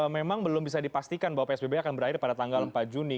memang belum bisa dipastikan bahwa psbb akan berakhir pada tanggal empat juni